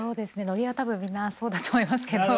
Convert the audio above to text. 野毛は多分みんなそうだと思いますけど。